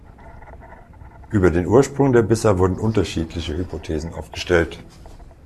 Über den Ursprung der Bissa wurden unterschiedliche Hypothesen aufgestellt.